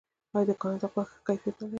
آیا د کاناډا غوښه ښه کیفیت نلري؟